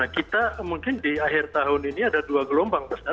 kita mungkin di akhir tahun ini ada dua gelombang besar